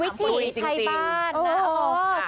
วิถีไทยบ้านนะคุณผู้ชม